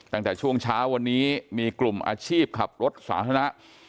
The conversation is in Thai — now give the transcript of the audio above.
ตั้งแต่ช่วงเช้าวันนี้มีกลุ่มอาชีพขับรถสาธารณะ